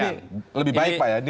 jadi ini lebih baik pak ya